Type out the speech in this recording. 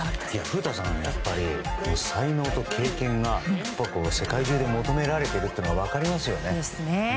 古田さんってやっぱり才能と経験が世界中で求められているのが分かりますよね。